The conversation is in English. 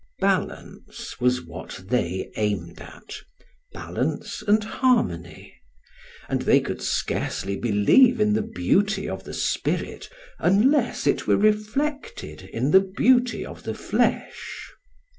Balance was what they aimed at, balance and harmony; and they could scarcely believe in the beauty of the spirit, unless it were reflected in the beauty of the flesh.